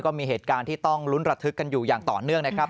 มีเหตุการณ์ที่ต้องลุ้นระทึกกันอยู่อย่างต่อเนื่องนะครับ